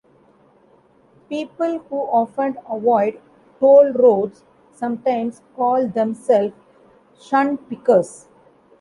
People who often avoid toll roads sometimes call themselves shunpikers.